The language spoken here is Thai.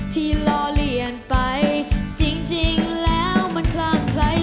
ที่ล้อเลียนไปจริงแล้วมันคลาดใคร